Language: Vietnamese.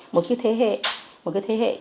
một cái thế hệ